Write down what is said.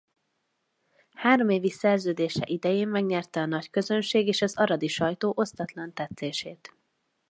Három évi szerződése idején megnyerte a nagyközönség és az aradi sajtó osztatlan tetszését.